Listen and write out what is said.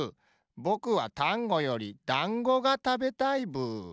ぼくはタンゴよりだんごがたべたいブー。